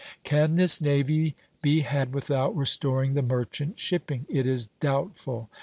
Can this navy be had without restoring the merchant shipping? It is doubtful.